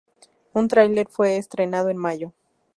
Un tráiler fue estrenado en mayo.